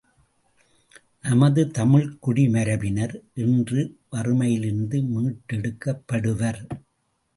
நமது தமிழ்க்குடி மரபினர் என்று வறுமையிலிருந்து மீட்டெடுக்கப்படுவர்?